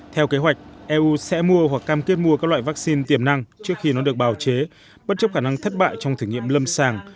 theo kế hoạch eu sẽ mua hoặc cam kết mua các loại vaccine tiềm năng trước khi nó được bào chế bất chấp khả năng thất bại trong thử nghiệm lâm sàng